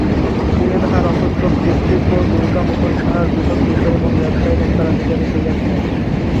তিনি তাঁহার অপুত্রক পিতৃব্য দুর্গামোহন সাহার বৃহৎ বিষয় এবং ব্যবসায়ের উত্তরাধিকারী হইয়াছিলেন।